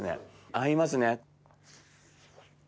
合いますね。